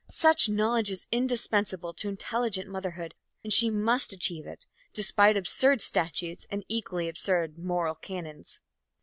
Such knowledge is indispensable to intelligent motherhood and she must achieve it, despite absurd statutes and equally absurd moral canons.